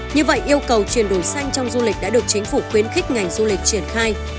như vậy yêu cầu chuyển đổi xanh trong du lịch đã được chính phủ khuyến khích ngành du lịch triển khai